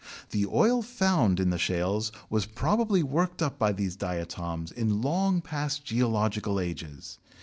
The oil found in the shales was probably worked up by these diatoms in long past geological ages.